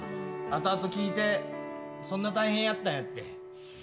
後々聞いてそんな大変やったんやって。